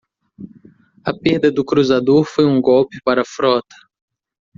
A perda do cruzador foi um golpe para a frota.